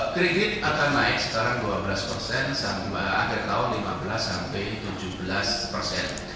kredit akan naik sekarang dua belas persen sampai akhir tahun lima belas sampai tujuh belas persen